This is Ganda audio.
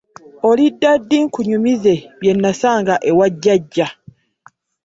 Olidda ddi nkunyumize bye nasanga ewa jjajja?